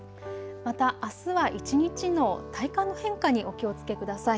また、あすは一日の体感の変化にお気をつけください。